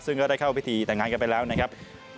ซึ่งก็ได้เข้าพิธีแต่งงานกันไปแล้วนะครับ